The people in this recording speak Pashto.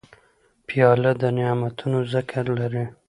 پیاله د نعتونو ذکر لري.